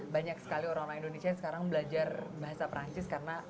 banyak sekali orang indonesia sekarang belajar bahasa perancis karena